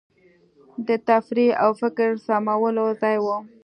د تفریح او فکر سمولو ځای وو.